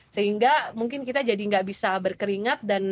sehingga mungkin kita jadi gak bisa berkeringat dan